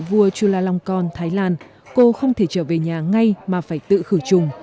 vì vụ vua chulalongkorn thái lan cô không thể trở về nhà ngay mà phải tự khử trùng